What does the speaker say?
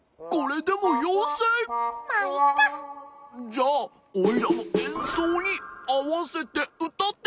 じゃオイラのえんそうにあわせてうたって！